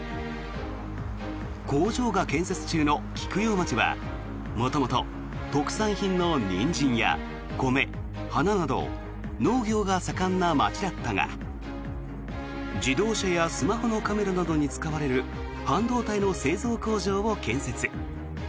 工場が建設中の菊陽町は元々、特産品のニンジンや米、花など農業が盛んな町だったが自動車やスマホのカメラなどに使われる半導体の製造工場を建設。